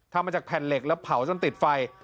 ทำมาจากแผ่นเหล็กแล้วเผาจนติดไฟ